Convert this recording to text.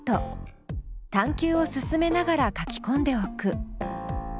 探究を進めながら書きこんでおく。